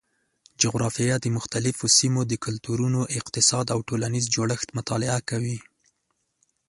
جغرافیه د مختلفو سیمو د کلتورونو، اقتصاد او ټولنیز جوړښت مطالعه کوي.